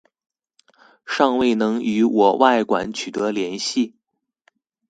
倘未能與我外館取得聯繫